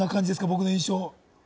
僕の印象。